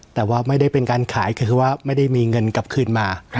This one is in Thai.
แต่ว่าไม่ได้เป็นการขายก็คือว่าไม่ได้มีเงินกลับคืนมา